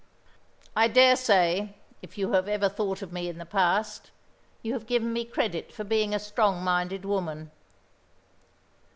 "I dare say, if you have ever thought of me in the past, you have given me credit for being a strong minded woman."